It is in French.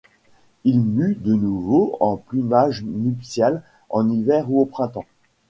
Ils muent de nouveau en plumage nuptial en hiver ou au printemps.